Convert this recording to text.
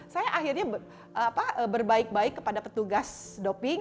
saya akhirnya berbaik baik kepada petugas doping